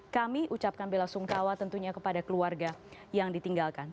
kami ucapkan bela sungkawa tentunya kepada keluarga yang ditinggalkan